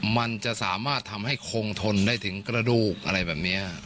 มันจะสามารถทำให้คงทนได้ถึงกระดูกอะไรแบบนี้